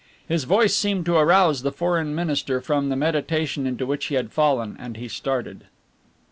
His voice seemed to arouse the Foreign Minister from the meditation into which he had fallen, and he started.